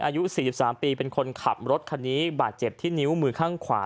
อายุ๔๓ปีเป็นคนขับรถคันนี้บาดเจ็บที่นิ้วมือข้างขวา